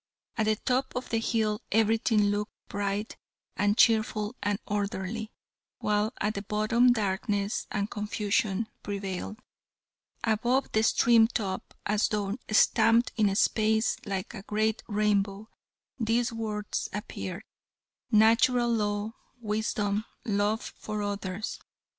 At the top of the hill everything looked bright and cheerful and orderly, while at the bottom darkness and confusion prevailed. Above the extreme top, as though stamped in space like a great rainbow, these words appeared: Natural Law, Wisdom, Love for Others.